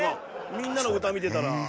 みんなの歌見てたら。